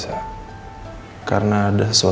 aku gak ada username ya